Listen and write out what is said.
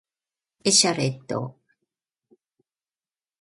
エシャレット